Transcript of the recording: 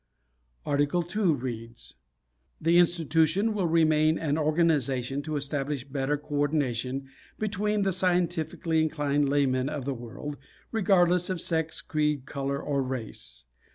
Article Two reads: "The institution will remain an organization to establish better co ordination between the scientifically inclined laymen of the world, regardless of sex, creed, color, or race.